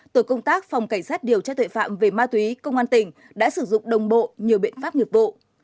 tổ công tác phòng cảnh sát điều tra tội phạm về ma túy công an tỉnh đã sử dụng đồng bộ nhiều biện pháp nghiệp vụ